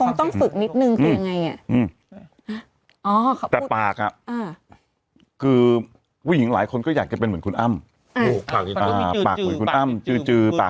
คงต้องฝึกนิดนึงคือยังไงอ่ะอ๋อแต่ปากอ่ะอ่า